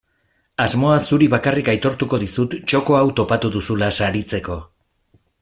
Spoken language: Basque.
Asmoa zuri bakarrik aitortuko dizut txoko hau topatu duzula saritzeko.